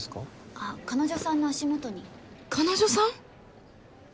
あっ彼女さんの足元に彼女さん！？